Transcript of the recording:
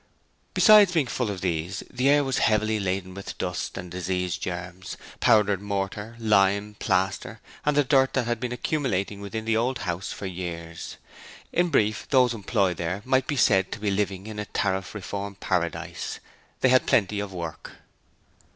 Besides being full of these the air was heavily laden with dust and disease germs, powdered mortar, lime, plaster, and the dirt that had been accumulating within the old house for years. In brief, those employed there might be said to be living in a Tariff Reform Paradise they had Plenty of Work.